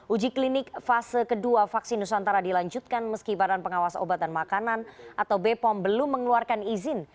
uji klinik fase kedua vaksin nusantara dilanjutkan meski badan pengawas obat dan makanan atau bepom belum mengeluarkan izin